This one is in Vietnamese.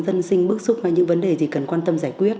dân sinh bức xúc hay những vấn đề gì cần quan tâm giải quyết